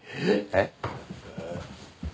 えっ？